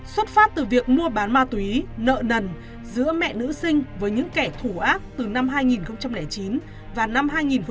xuất phát từ việc mua bán ma túy nợ nần giữa mẹ nữ sinh với những kẻ thù ác từ năm hai nghìn chín và năm hai nghìn một mươi ba